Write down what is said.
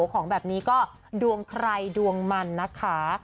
ของแบบนี้ก็ดวงใครดวงมันนะคะ